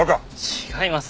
違います。